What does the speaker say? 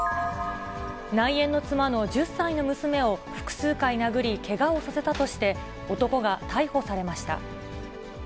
内縁の妻の１０歳の娘を複数回殴り、けがをさせたとして、男が逮捕されました。